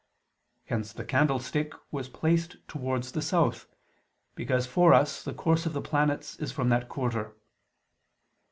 Hence the candlestick was placed towards the south; because for us the course of the planets is from that quarter.